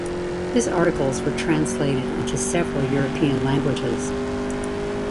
His articles were translated into several European languages.